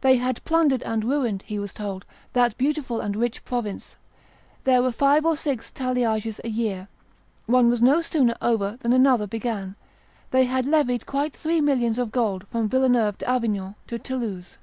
"They had plundered and ruined," he was told, "that beautiful and rich province; there were five or six talliages a year; one was no sooner over than another began; they had levied quite three millions of gold from Villeneuve d'Avignon to Toulouse."